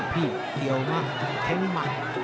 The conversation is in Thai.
ติดตามยังน้อยกว่า